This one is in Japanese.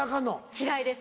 嫌いです